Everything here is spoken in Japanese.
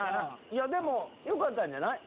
でもよかったんじゃない？